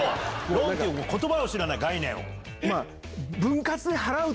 ローンっていう言葉を知らない概念を。